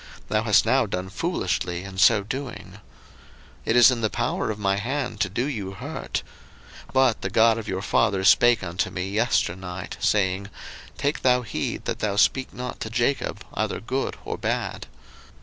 thou hast now done foolishly in so doing. 01:031:029 It is in the power of my hand to do you hurt: but the God of your father spake unto me yesternight, saying, Take thou heed that thou speak not to Jacob either good or bad.